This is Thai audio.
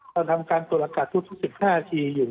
เราทำการตรวจอากาศทุก๑๕นาทีอยู่